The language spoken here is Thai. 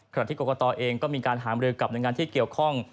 ที่กรกตเองก็มีการหามรือกับหน่วยงานที่เกี่ยวข้อง